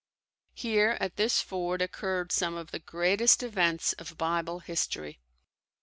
Here at this ford occurred some of the greatest events of Bible history.